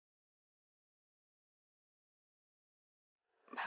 mama pernah mau menggantikan posisi kamu di penjara